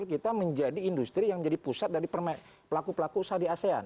kita menjadi industri yang menjadi pusat dari pelaku pelaku usaha di asean